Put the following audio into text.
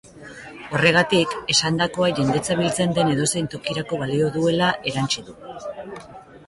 Horregatik, esandakoa jendetza biltzen den edozein tokirako balio duela erantsi du.